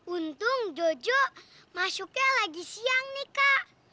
untung jojo masuknya lagi siang nih kak